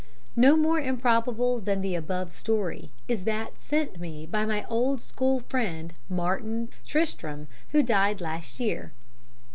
No more improbable than the above story is that sent me by my old school friend Martin Tristram, who died last year.